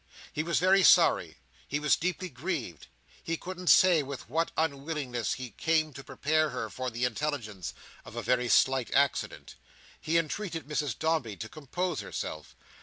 He was very sorry, he was deeply grieved; he couldn't say with what unwillingness he came to prepare her for the intelligence of a very slight accident. He entreated Mrs Dombey to compose herself.